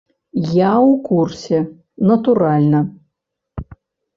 Я ў курсе, натуральна.